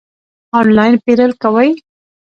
آنلاین پیرل کوئ؟